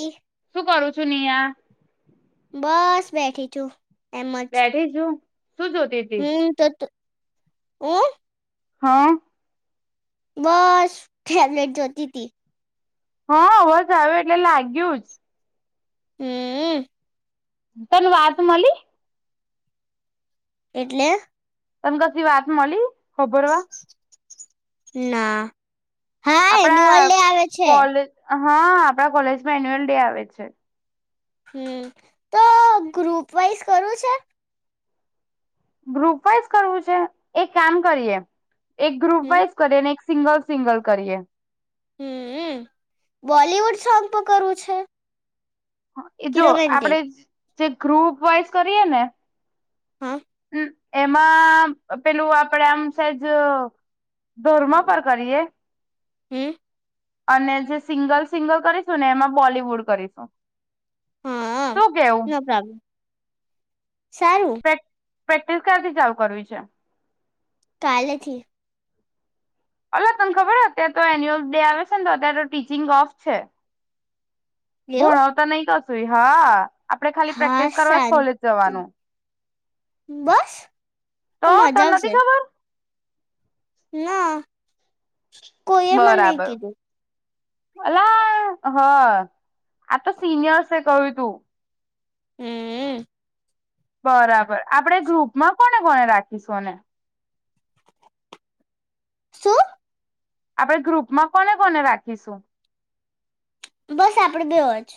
એ શું કરું છું નિયા? બસ બેઠી છું. એમ જ બેઠી છું. શું જોતી તી હમ તત હૂમ હા. બસ ફેવરેટ જોતી તથી. હા બસ આવ એટલે લાગ્યું જ હમ. તન વાત મલી એટલે. તને કછી વાત મળી. હબોરવા ના. હા એ ન્યુઅલ આપડા ડે આવે છે. કોલેજ હા આપણા કોલેજમાં એન્યુઅલ ડે આવે છે. હમ તો ગ્રુપ વાઈઝ કરું છે. ગ્રુપ વાઈઝ કરવું છે એ કામ કરીએ એક ગ્રુપ હમ વાઇઝ કરે નેક્ સિંગલ સિંગલ કરીએ. હમ બોલીવુડ શોગ પ કરવું છે. હ એ કે જો રોમેન્ટિક આપડે જે ગ્રુપ વાઈઝ કરીએ ને હા એમાં પેલું આપડે આમ સેજ ધોર્મ પર કરીએ હમ અને જે સિંગલ સિંગલ કરીશું ને એમાં બોલવુડ કરીશું. હા શું કેવું નોપ્રોબ્લેમ ચાલું. પ્રેક્ટિસ કાર થી ચાલું કરવી છે. કાલેથી. અલ તને ખબર હ અત્યારે તો એન્યુઅલ ડે આવે છે ને તો અત્યારે તો ટીચિંગ ઓફ છે. એવું ભોણવતા નહી ક સુઈ હ આપડણે ખાલી હા પ્રેક્ટિસ કરવા જ કોલેજ શાંતિ જવાનું બસ તો મજા તને આવશે નથી ખબર ના. કો એ મને નહ બરાબર કીધું. અલા હ આ તો સિનિયર્સે કહ્યું તું હમ. બરાબર આપણેે ગ્રુપમાં કોને કોને રાખીશુંને શું? આપડે ગ્રુપમાં કોને કોને રાખીશું. બસ આપડે બે જ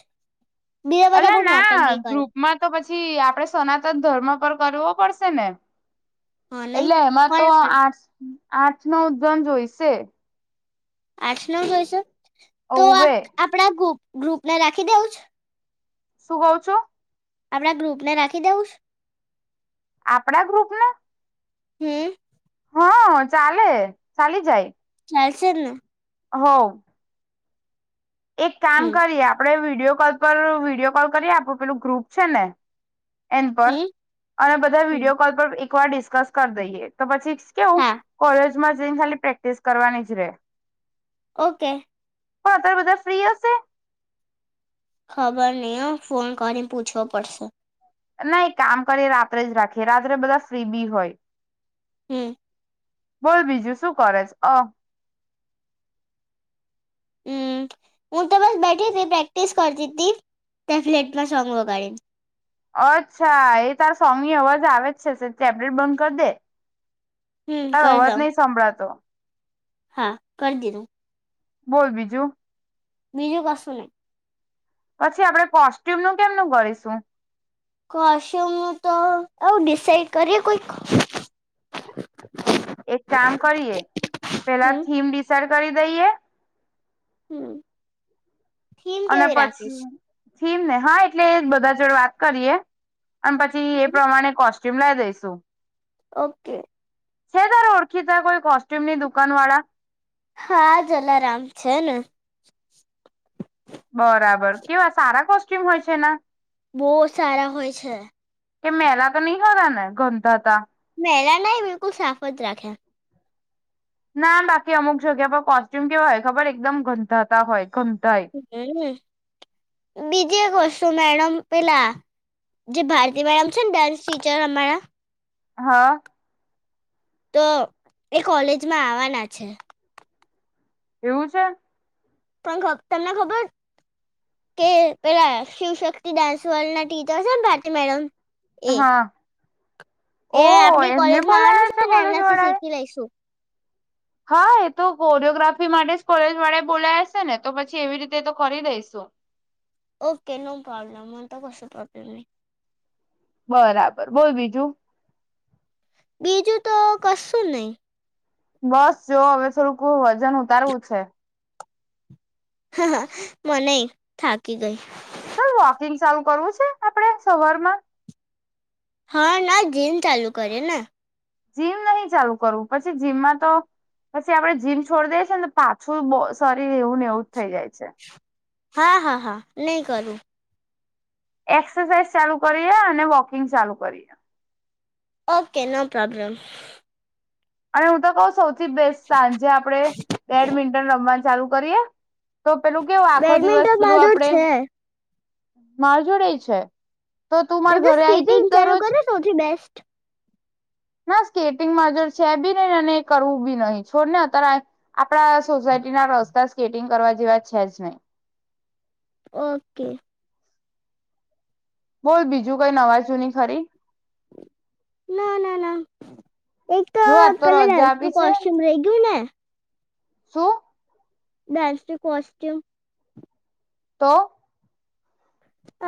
બીજા બધા અલા બહુ ના નોટંકી કરે ગ્રુપમાં તો પછી થી આપડે સનાતન ધર્મ પર કરવો પડશે ને હા નહી એટલે એમાં તો કોને કોને આર્સ આઠ નવ ત્રણ જોઈશે. આઠ નવ જોઈશે તો ઓવે આપણા ગુપ ગ્રુપ ને રાખી દેવું છે? શું કઉ છો? આપણા ગ્રુપ ને રાખી દેઉ છે? આપડા ગ્રુપ ના હમ. હા ચાલે ચાલી જાય. ચાલસે જ ને. હા એક કામ હમ કરીએ આપડે વિડીયો કોલ પર વિડીયો કોલ કરી આપો પેલું ગ્રુપ છે ને એન પર હમ અને બધા હમ વિડીયો કોલ પર એક વાર ડિસ્કસ કરી દઈએ તો પછી કેવું હા કોલેજ માં જઈને ખાલી પ્રેક્ટિસ કરવાની જ રે. ઓકે. પણ અત્યારે બધા ફ્રી હશે? ખબર નહીં હો ફોન કરીને પૂછવો પડશે. ના કામ કરી રાત્રે જ રાખીએ રાત્રે બધા ફ્રી બી હોય. હમ. બોલ બીજું શું કરે છે અ? હમ હું તો બસ બેઠી હતી પ્રેક્ટિસ કરતી હતી ટેફલેટમાં સોંગ વગાડીને. અચ્છા એ તારા સ્વામી અવાજ આવે જ છે ટેબલેટ બંધ કરી દે. હમ તાર કરી અવાજ દઉં નહી સાંભળાતો. હા કરી દીધું. બોલ બીજું. બીજું કસું નહિ. પછી આપડે કોસ્ટ્યુમ નું કેમનું કરીશું? કોશ્યુમ તો આવું ડિસઇડ કરીએ કોઈક? એક કામ કરીએ પેલા હમ થીમ ડિસાઇડ કરી દઈએ. હમ. થીમ અને કેવી રાખીશ પછી થીમ ને હા એટલે બધા જોડ વાત કરીએ. અને પછી એ પ્રમાણે કોસ્ટ શિમલા દઈસું. ઓકે. છે તારે ઓળખીતા કોઈ? કોસ્ટ્યુમની દુકાન વાળા હા જલારામ છે ને. [inaudible] બરાબર કેવા સારા કોશ [unintelligible] હોય છે. બો સારા હોય છે. કે મેલા તો નહીં ખરાને ગંધાતા. પે ના બાકી અમુક જગ્યા પર કોસ્ટ્યુમ કેવા હોય ખબર એકદમ ગંદા હતા હોય ગા [unintelligible] બીજી એક વસ્તુ મેડમ પેલા જે ભારતી મેડમ છે ને ડાન્સ ટીચર અમારા. હા. તો એ કોલેજમાં આવવાના છે. એવું છે. પણ ખ તમને ખબર કે પેલા શિવશક્તિ ડન્સ [unintelligible] ના ટીચર છે ને ભારતી મેડમ. એ હા. એ ઓ આપડી એમને કોલેજમાં આવવાનું બોલાયા છે ને કોલેજ એમનાથી વાળા એ શીખી લઈશું. હા એ તો ફોટોગ્રાફી માટે જ કોલેજ વાળા બોલાશે ને તો પછી એવી રીતે તો કરી દઈસ. ઓકે નો પ્રોબ્લેમ મને તો કસો પ્રોબ્લેમ નહી. બરાબર બોલ બીજું. બીજું તો કશું નહી. બ હ, હ મને થાકી ગઈ. ચાલ વોકિંગ ચાલુ કરવું છે આપણે સવારમાં. હા ના જીમ ચાલુ કરીએ ને. જીમ નહી ચાલુ કરવું પછી જીમમાં તો પછી આપડે જીમ છોડી દઈ છે ને પાછું શરીર એવું ને એવું થઈ જાય છે. હા હા હા નહી કરું. એક્સરસાઇઝ ચાલુ કરીએ અને વોકિંગ ચાલુ કરીએ. Okay no problem. અને હું તો કઉ સૌ થી બેસ્ટ સાંજે આપણેે બેડમિન્ટન રમ ચાલુ કરીએ. તો પેલું કેવું આખો દિવસ બેડમિન્ટન પેલું માધોર આપડે છે માર જોડે ઈ છે. તો તું ને માર તો ઘરે આઈ સ્કેટિંગ જઈશ ચાલુ દરરોજ કરો સૌથી બેસ્ટ. ના સ્કેટિંગ માજ છે બી નહી અને કરવું બી નહિ છોડ ને અત્યારે આપડા સોસાયટી ના રસ્તા સ્કેટિંગ કરવા જેવા છે જ નહી. ઓકે. બોલ બીજું કઈ નવા જૂની ખરી. ના ના ના. એક જો આજ તો પેલા રજા ડાન્સનું આપી છે. કોસ્ટ્યુમ રહી ગયું ને શું? ડાન્સ ની કોસ્ટ્યુમ તો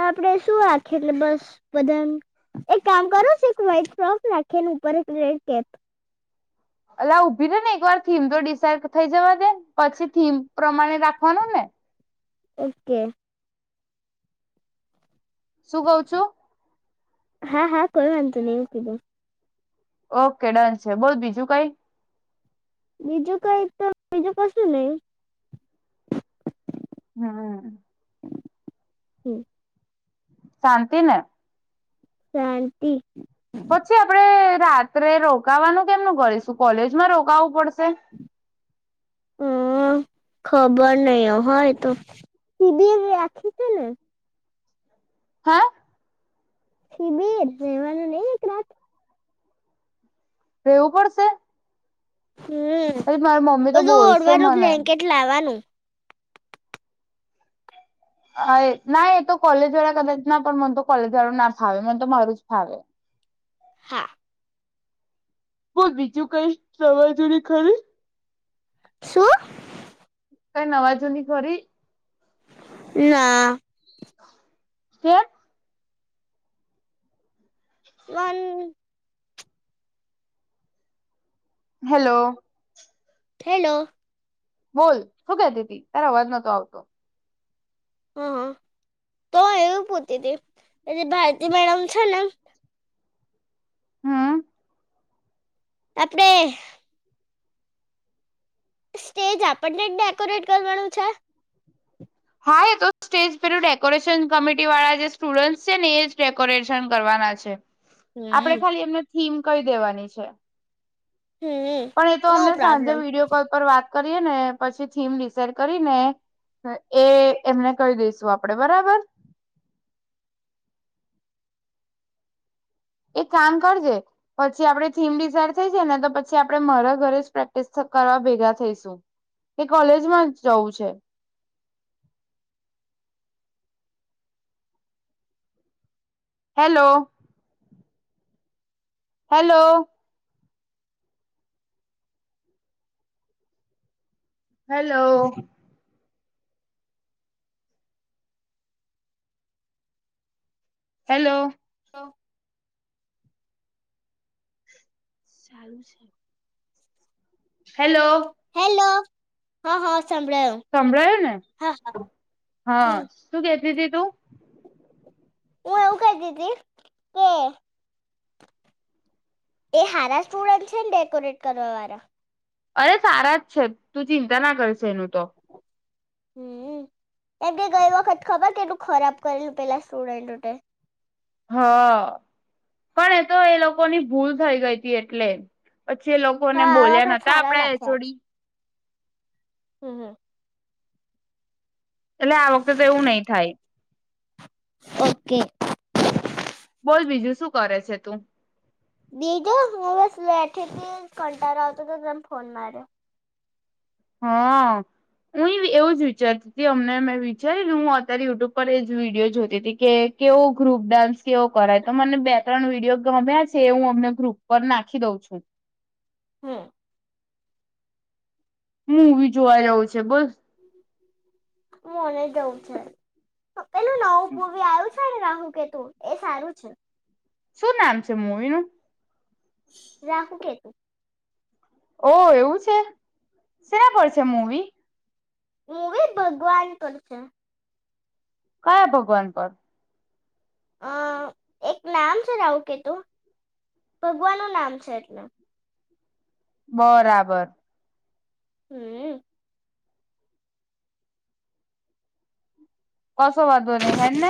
આપડે શું રાખીએ એટલે બસ બધા એક કામ કરો છ એક વ્ાઈટ ફોક રાખી ઉપર એક રેડ કેપ અલા ઊભી રે ને એક વાર થીમ તો ડિસાઇડ થઈ જવા દે પછી થીમ પ્રમાણે રાખવાનું ને ઓકે. શું કઉ છું હા હા કોઈ વાંધંધ નને એવું કીધું. ઓકે ડન છે બોલ બીજું કઈ. બીજું કઈ તો બીજું કસું નહી હમ. હમ. શાંતિ ને શાંતિ પછી આપડે રાત્રે રોકાવાનું કેમ નું કરીશું કોલેજ માં રોકાવું પડશે હમ. ખબર નહી હ એ તો, [unintelligible] રાખી છે ને હા. શિબિર રહેેવાનું નહિ એક રાત રહેેવું પડશે. હમ અરે મારી મમ્મી તો બધું બોલશે ઓઢવાનું મને બ્લેન્કેટ લાવવાનું હ ના એ તો કોલેજ વાળા કદાચ ના પણ મને તો કોલેજ વાળું ના ફાવે મને તો મારું જ ફાવે હા. બ બીજું કઈ સવા જુરી ખરી શું? કઈ નવા જોની ખરી ના કેમ પણ હેલો હેલો બોલ શું કદતતી તારો અવાજ નહતો આવતો હ હા તો એવી પૂતી હતી એલી ભારતી મેડમ છે ને હમ આપણે સ્ટેજ આપણને જ ડેકોરેટ કરવાનું છે. હા એ તો સ્ટેજ પેરું ડેકોરેશન કમિટી વાળા જે સ્ટુડન્ટ છે ને એ જ ડેકોરેશન કરવાના છે. આપડે હમ ખાલી એમને થીમ કહી દેવાની છે. હમ પણ એ તો નો અમને સાંજે પ્રોબ્લેમ વિડીયો કોલ પર વાત પછી થીમ ડિસાઈડ કરીને એ એમને કરી દઈ શુ આપણે બરાબર એક કામ કરજે પછી આપડે થીમ ડિસાઇડ થઈ જને તો પછી આપડે મારા ઘરે જ પ્રેક્ટિસ કરવા ભેગા થઈશું એ કોલેજમાં જ જવું છે. Hello hello. હલો. હેલો. ઓ. સારું છે. Hello hello hello. હા હા. સંભળાયું સંભળાયો ને હા હા શું કેતી તી. હું એવું કહી દી હતી કે એ હારા સ્ટુડન્ટ છે ને ડેકોરેટ કરવા વાળા અરે સારા જ છે તું ચિંતા ના કરશે એનું તો. હમ્મ એમ કે ગઈ વખત ખબર કેટલું ખરાબ કરેલું પેલા સ્ટુડન્ટોટે. હા પણ એ તો એ લોકો ની ભૂલ થઈ ગઈ હતી એટલે પછી એ લોકોને હા આ બોલ્યા વખત નતા સારા આપડા એ જોડી હમ્મ હમ્મ. એટલે આ વખતે તો એવું નહી થાય ઓકે. બોલ બીજું શું કરે છે તું? બીજુ હુંસ બેઠી થી કંટળો આવતો તો તમ ફોન મારે્યો હા હું એવું જ વિચારતી હતી અમને મે વિચારી હું અત્યારે યુટ્યુબ પર એ જ વિડીયો જોતી હતી કે કેવો ગ્રુપ ડાન્સ કેવો કરાય તો મને બે ત્રણ વિડીયો ગમ્યા છે એ હું અમને ગ્રુપ પર નાખી દઉં છું. હમ્મ. મવી જોવા રહ્યો છે બોસ મને જઉ છે. પેલું નવું પૂરવી આવ્યું છે ને શું કે તું એ સારું છે. શું નામ છે મવી નું? રાહું કેત ઓ એવું છે શેના પર છે મવી મુવી ભગવાન પર છે. કયા ભગવાન પર અ એક નામ છે રાહું કેતું ભગવાન ન નામ છે એટલે બરાબર. હમ્મ. કસો વાંધો નહી હેને.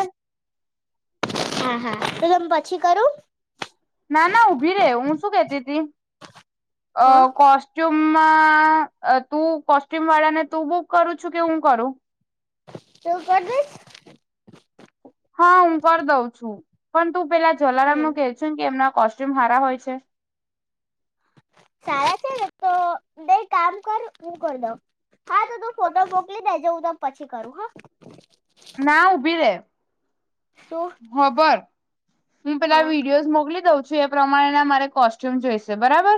હા હા તો તમે પછી કરું ના ના ઉભી રે હું શું કેતી હતી અ હા કોસ્ટુબ તુંમા અ કોસ્ટ્યુમ વાળાને તું બુક કરું છું કે હું કરું. તો કર દેશ હા હું કરી દઉં છું પણ તું પેલા જલારામ હમ નું કહે છ કે એમ કોસ્ટ્યુમ હારા હોય છે. સારા છે તો બે કામ કર હું કરી દઉ હા તો તું ફોટો મોકલી દે જા હું તમ પછી કરું હા. ના ઉભી રે તું હબર હું પેલા હા વિડીયોઝ મોકલી દઉં સુ એ પ્રમાણે મારે કોસ્ટ્યુમ જોઈશે બરાબર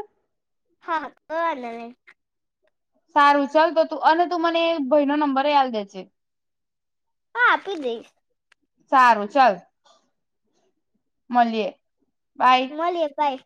હા હા ક હને સારું ચાલ તો તું અને તું મને ભાઈ નો નંબરયાલ દેજે હા આપી દઈશ સારું ચાલ મળીએ મળએ બાય.